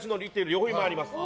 旅費もあります。